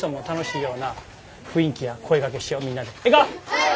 はい！